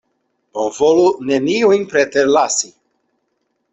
Bonvolu neniujn preterlasi!